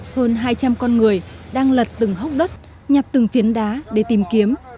hơn hai trăm linh con người đang lật từng hốc đất nhặt từng phiến đá để tìm kiếm